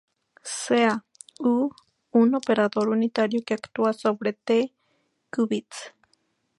Sea "U" un operador unitario que actúa sobre "t" qubits.